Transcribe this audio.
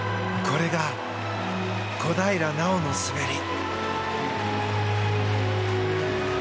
これが、小平奈緒の滑り。